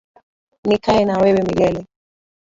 Nikae na wewe milele